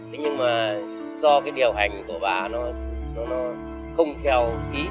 thế nhưng mà do cái điều hành của bà nó không theo ý